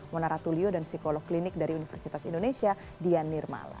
mona ratulio dan psikolog klinik dari universitas indonesia dian nirmala